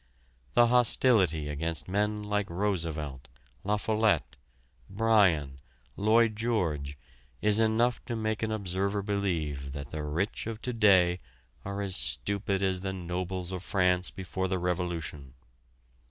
The hostility against men like Roosevelt, La Follette, Bryan, Lloyd George is enough to make an observer believe that the rich of to day are as stupid as the nobles of France before the Revolution.